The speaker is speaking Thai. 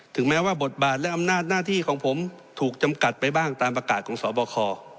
แม้ว่าบทบาทและอำนาจหน้าที่ของผมถูกจำกัดไปบ้างตามประกาศของสบค